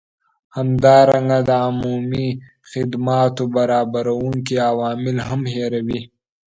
همدارنګه د عمومي خدماتو برابروونکي عوامل هم هیروي